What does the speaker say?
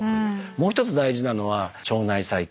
もう一つ大事なのは腸内細菌。